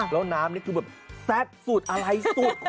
แล้วน้ำนี่คือแบบแซ่บสุดอะไรสุด